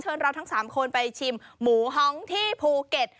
เราทั้ง๓คนไปชิมหมูฮองที่ภูเก็ต